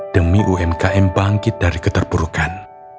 demi umkm bangkit dari keterpurukan